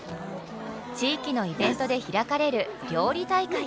地域のイベントで開かれる料理大会。